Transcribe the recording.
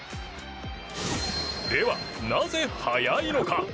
では、なぜ速いのか。